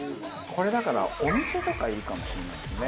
これだからお店とかいいかもしれないですね。